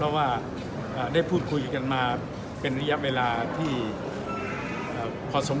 ถ้าไม่ได้กำหนดระยะเวลาก่อน